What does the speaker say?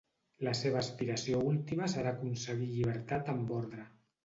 La seva aspiració última serà aconseguir llibertat amb ordre.